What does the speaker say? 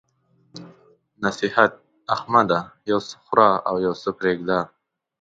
نصيحت: احمده! یو څه خوره او يو څه پرېږده.